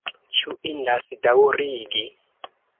Ĉu indas daŭrigi?